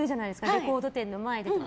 レコード店の前とか。